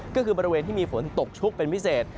ก็คือบริเวณที่มีฝนตกชุกเป็นพิเศษ